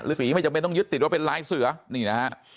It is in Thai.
สีไม่จำเป็นต้องยึดติดว่าเป็นลายเสือนี่นะฮะ